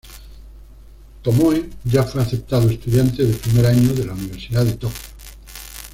Tomoe ya fue aceptado estudiante de primer año de la universidad de Tokio.